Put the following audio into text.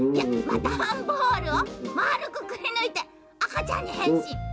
だんボールをまあるくくりぬいてあかちゃんにへんしん。